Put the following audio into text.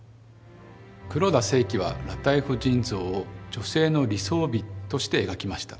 黒田清輝は裸体婦人像を女性の理想美として描きました。